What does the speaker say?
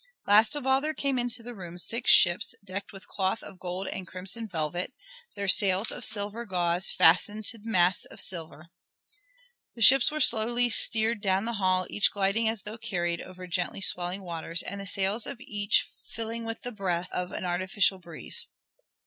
Last of all there came into the room six ships, decked with cloth of gold and crimson velvet, their sails of silver gauze fastened to masts of silver. The ships were slowly steered down the hall, each gliding as though carried over gently swelling waters, and the sails of each filling with the breath of an artificial breeze.